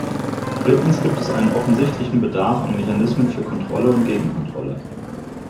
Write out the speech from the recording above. Drittens gibt es einen offensichtlichen Bedarf an Mechanismen für Kontrolle und Gegenkontrolle.